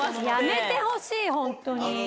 やめてほしい、本当に。